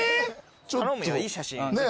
頼むよいい写真。